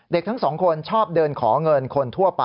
ทั้งสองคนชอบเดินขอเงินคนทั่วไป